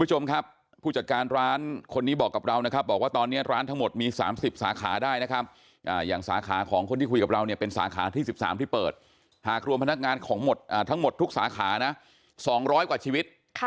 คุณผู้ชมครับผู้จัดการร้านคนนี้บอกกับเรานะครับบอกว่าตอนนี้ร้านทั้งหมดมี๓๐สาขาได้นะครับอย่างสาขาของคนที่คุยกับเราเนี่ยเป็นสาขาที่๑๓ที่เปิดหากรวมพนักงานของหมดทั้งหมดทุกสาขานะ๒๐๐กว่าชีวิต